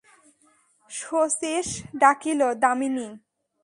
শচীশ ডাকিল, দামিনী!